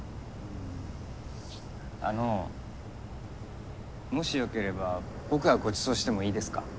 あのもしよければ僕がごちそうしてもいいですか？